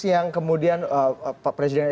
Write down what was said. yang kemudian pak presiden